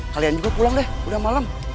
kalian juga pulang deh udah malam